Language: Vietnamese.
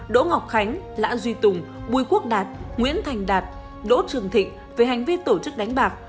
đỗ ngọc khánh lã duy tùng bùi quốc đạt nguyễn thành đạt đỗ trường thịnh về hành vi tổ chức đánh bạc